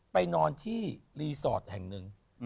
ไปนอนที่รีสอร์ทแห่งหนึ่ง